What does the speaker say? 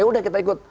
yaudah kita ikut